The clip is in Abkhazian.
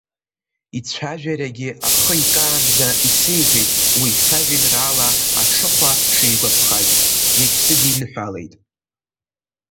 Ицәажәарагьы ахы икаанӡа исеиҳәеит уи сажәеинраала Аҽыхәа шигәаԥхаз, иагьсыдирҽхәалеит.